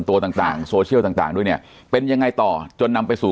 ตัวต่างต่างโซเชียลต่างด้วยเนี่ยเป็นยังไงต่อจนนำไปสู่